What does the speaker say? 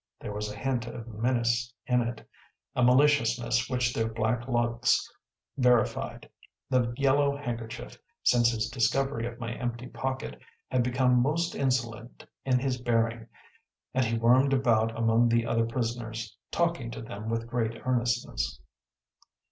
There was a hint of menace in it, a maliciousness which their black looks verified. The Yellow Handkerchief, since his discovery of my empty pocket, had become most insolent in his bearing, and he wormed about among the other prisoners, talking to them with great earnestness.